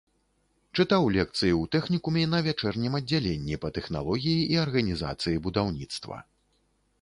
Чытаў лекцыі ў тэхнікуме на вячэрнім аддзяленні па тэхналогіі і арганізацыі будаўніцтва.